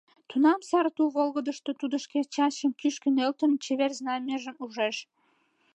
Тунам сар тул волгыдышто тудо шке частьшын кӱшкӧ нӧлтымӧ чевер знамяжым ужеш.